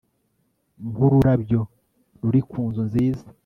Nkururabyo ruri kunzu nziza